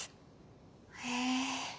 へえ。